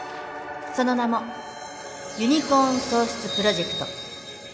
その名もユニコーン創出プロジェクト